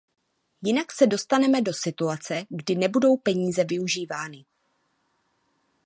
Jinak se dostaneme do situace, kdy nebudou peníze využívány.